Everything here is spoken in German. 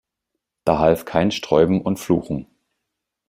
Da half kein Sträuben und Fluchen.